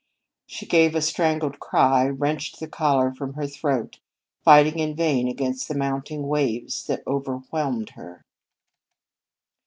She gave a strangled cry, wrenched the collar from her throat, fighting in vain against the mounting waves that overwhelmed her.